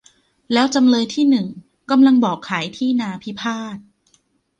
แล้วจำเลยที่หนึ่ง กำลังบอกขายที่นาพิพาท